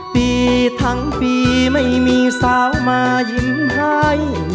ปีทั้งปีไม่มีสาวมายิ้มให้